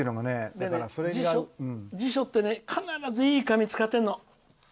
だから、辞書ってね必ず、いい紙使ってるの。